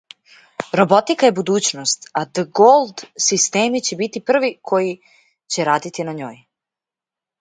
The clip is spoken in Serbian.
Роботика је будућност, а ДГолд системи ће бити први који ће радити на њој!